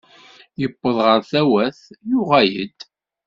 Yewweḍ ɣer Tawat yuɣal-d.